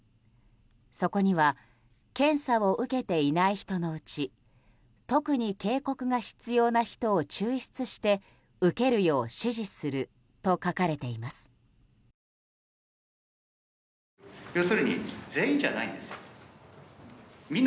そこには検査を受けていない人のうち特に警告が必要な人を抽出して受けるよう指示すると書かれています。